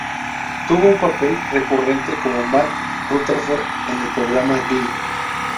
Tuvo un papel recurrente como Matt Rutherford en el programa "Glee".